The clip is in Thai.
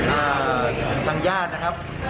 อ่าทางญาตินะครับ